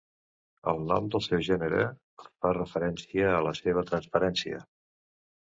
El nom del seu gènere fa referència a la seva transparència.